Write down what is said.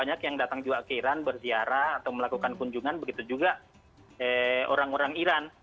banyak yang datang juga ke iran berziarah atau melakukan kunjungan begitu juga orang orang iran